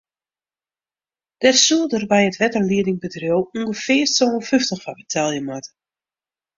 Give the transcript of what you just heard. Dêr soed er by it wetterliedingbedriuw ûngefear sân fyftich foar betelje moatte.